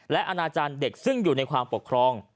และอนาจารย์เด็กซึ่งอยู่ในความปกครอง